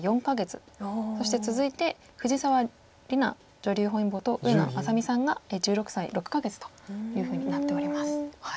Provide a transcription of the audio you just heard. そして続いて藤沢里菜女流本因坊と上野愛咲美さんが１６歳６か月というふうになっております。